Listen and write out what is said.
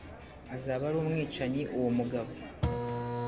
azaba ari umwicanyi Uwo mugabo